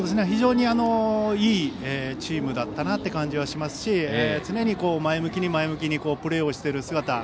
非常にいいチームだったなという感じはしますし常に前向きに前向きにプレーをしている姿。